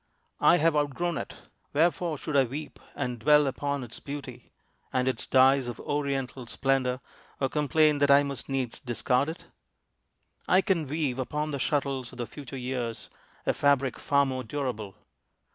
I have outgrown it. Wherefore should I weep And dwell upon its beauty, and its dyes Of Oriental splendor, or complain That I must needs discard it? I can weave Upon the shuttles of the future years A fabric far more durable.